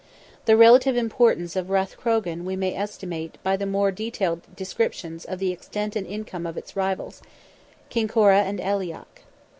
The relative importance of Rathcrogan we may estimate by the more detailed descriptions of the extent and income of its rivals—Kinkora and Aileach.